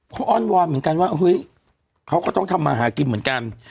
เขาอ้อนวอนเหมือนกันว่าเฮ้ยเขาก็ต้องทำมาหากินเหมือนกัน